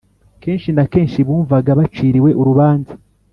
kenshi na kenshi bumvaga baciriwe urubanza